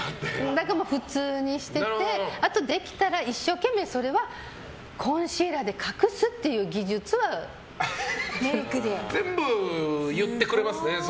だから普通にしていてあと、もしできたら一生懸命それはコンシーラーで隠す全部言ってくれますね